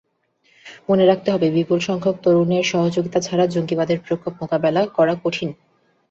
মনে রাখতে হবে, বিপুলসংখ্যক তরুণের সহযোগিতা ছাড়া জঙ্গিবাদের প্রকোপ মোকাবিলা করা কঠিন।